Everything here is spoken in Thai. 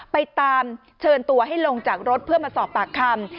ไปตามเชิญตัวให้ลงจากรถเพื่อมาสอบปากคำ